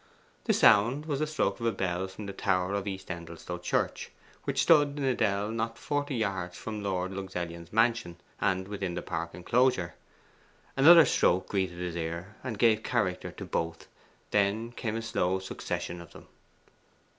The sound was the stroke of a bell from the tower of East Endelstow Church, which stood in a dell not forty yards from Lord Luxellian's mansion, and within the park enclosure. Another stroke greeted his ear, and gave character to both: then came a slow succession of them.